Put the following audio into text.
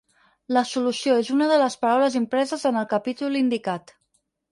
La solució és una de les paraules impreses en el capítol indicat.